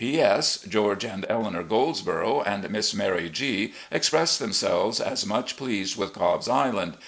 "P.S. — George and Eleanor Goldsborough and Miss Mary G express themselves as much pleased with Cobb's Island.